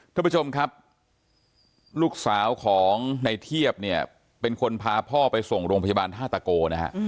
ทุกผู้ชมครับลูกสาวของในเทียบเนี่ยเป็นคนพาพ่อไปส่งโรงพยาบาลท่าตะโกนะฮะ